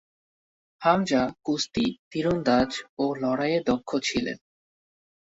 হামজা কুস্তি, তীরন্দাজ ও লড়াইয়ে দক্ষ ছিলেন।